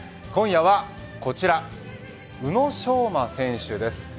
今夜はこちら宇野昌磨選手です。